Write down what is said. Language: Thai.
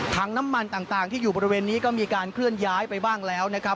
น้ำมันต่างที่อยู่บริเวณนี้ก็มีการเคลื่อนย้ายไปบ้างแล้วนะครับ